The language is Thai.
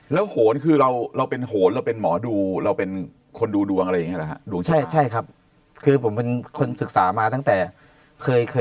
แล้วโหคือเราเราเป็นห่วงเราเป็นหมอดูเราเป็นคนดูดวงอ่ะนะใช่ใช่ครับคือผมเป็นคนศึกษามาตั้งแต่เคยเคย